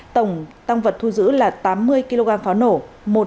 tổng tăng vật thu giữ là tám mươi kg pháo nổ